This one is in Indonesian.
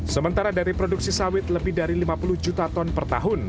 sementara dari produksi sawit lebih dari lima puluh juta ton per tahun